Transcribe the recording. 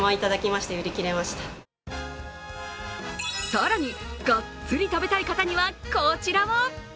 更に、がっつり食べたい方にはこちらを。